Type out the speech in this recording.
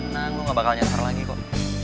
nah gue gak bakal nyasar lagi kok